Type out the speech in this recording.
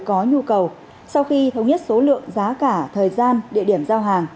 có nhu cầu sau khi thống nhất số lượng giá cả thời gian địa điểm giao hàng